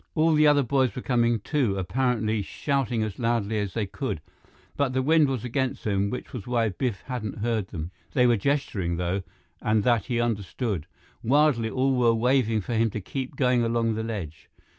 All the other boys were coming, too, apparently shouting as loudly as they could, but the wind was against them, which was why Biff hadn't heard them. They were gesturing, though, and that he understood. Wildly, all were waving for him to keep going along the ledge.